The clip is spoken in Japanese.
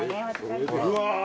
うわ。